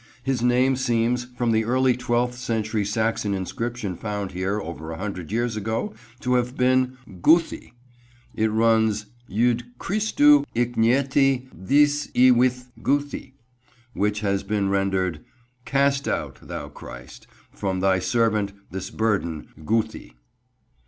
His name seems, from the early twelfth century Saxon inscription found here over a hundred years ago, to have been "Guhthi." It runs "Yd Crist tu icniecti this i wihtth, Guhthi"; which has been rendered, "Cast out, thou Christ, from Thy servant this burden, Guhthi."